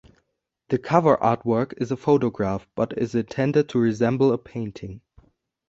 The cover artwork is a photograph, but is intended to resemble a painting.